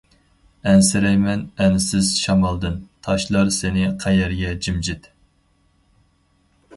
ئەنسىرەيمەن ئەنسىز شامالدىن، تاشلار سېنى قەيەرگە جىمجىت.